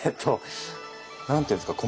何て言うんですか。